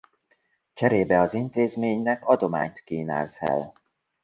Cserébe az intézménynek adományt kínál fel.